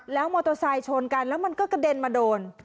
แล้วมอเตอร์ไซค์ชนกันแล้วมันก็กระเด็นมาโดน